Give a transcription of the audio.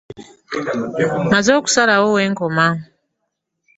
Mmaze okusalawo we nkoma.